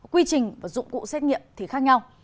quy trình và dụng cụ xét nghiệm thì khác nhau